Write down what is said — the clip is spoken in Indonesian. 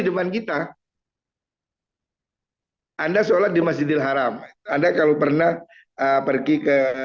depan kita anda sholat di masjidil haram anda kalau pernah pergi ke masjid haram anda harus pergi ke masjid haram anda kalau pernah pergi ke